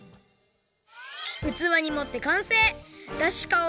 うつわにもってかんせい！